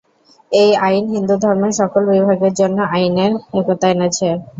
এই আইন হিন্দুধর্মের সকল বিভাগের জন্য আইনের একতা এনেছে।